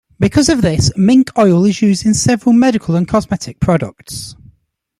Because of this, mink oil is used in several medical and cosmetic products.